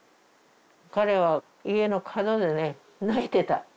彼は家の角でね泣いてた。